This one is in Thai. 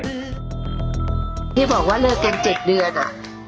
พี่บอกว่าเลิกกัน๗เดือนอะ